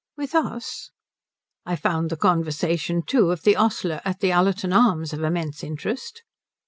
"With us?" "I found the conversation, too, of the ostler at the Ullerton Arms of immense interest."